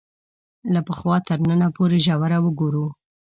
له پخوا تر ننه پورې ژوره وګورو